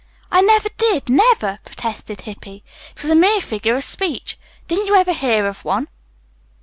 "I never did, never," protested Hippy. "It was a mere figure of speech. Didn't you ever hear of one?"